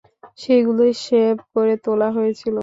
সেগুলো শেভ করে তোলা হয়েছিল।